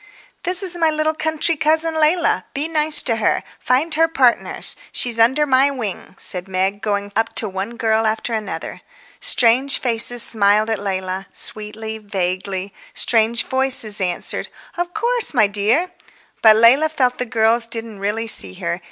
"This is my little country cousin Leila. Be nice to her. Find her partners; she's under my wing," said Meg, going up to one girl after another. Strange faces smiled at Leila—sweetly, vaguely. Strange voices answered, "Of course, my dear." But Leila felt the girls didn't really see her.